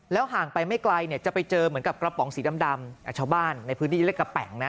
ห่างไปไม่ไกลเนี่ยจะไปเจอเหมือนกับกระป๋องสีดำชาวบ้านในพื้นที่จะเรียกกระแป๋งนะ